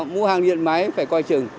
mua hàng điện máy phải coi chừng